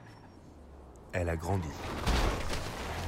elle a grandi.